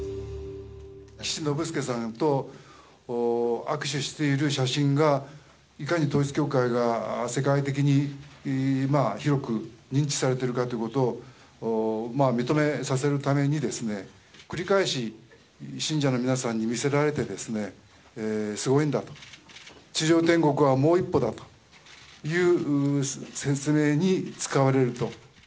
岸信介さんと握手している写真が、いかに統一教会が世界的に広く認知されているかということを認めさせるために、繰り返し信者の皆さんに見せられて、すごいんだと、地上天国はもう一歩だという説明に使われると。